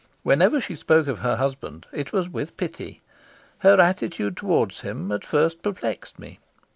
Whenever she spoke of her husband it was with pity. Her attitude towards him at first perplexed me.